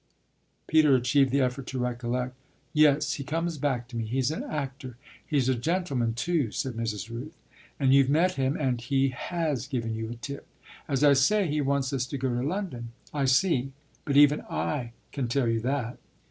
Peter achieved the effort to recollect. "Yes he comes back to me. He's an actor." "He's a gentleman too," said Mrs. Rooth. "And you've met him, and he has given you a tip?" "As I say, he wants us to go to London." "I see, but even I can tell you that."